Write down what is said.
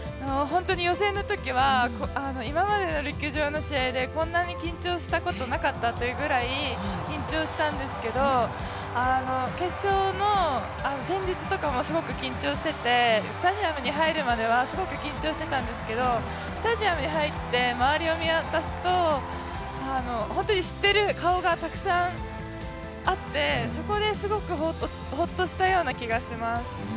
予選のときは今までの陸上の試合でこんなに緊張したことないっていうくらい緊張したんですけれども、決勝の前日とかもすごく緊張しててスタジアムに入るまではすごく緊張してたんですけど、スタジアムに入って周りを見渡すと知ってる顔がたくさんあってそこですごくホッとしたような気がします。